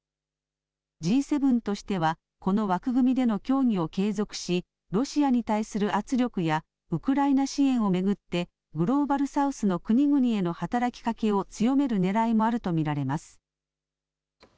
Ｇ７としてはこの枠組みでの協議を継続しロシアに対する圧力やウクライナ支援を巡ってグローバル・サウスの国々への働きかけを強めるねらいもあると見られます。